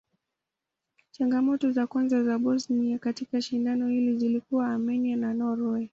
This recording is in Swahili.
Changamoto za kwanza za Bosnia katika shindano hili zilikuwa Armenia na Norway.